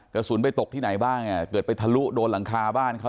กระสุนไปตกที่ไหนบ้างอ่ะเกิดไปทะลุโดนหลังคาบ้านเขา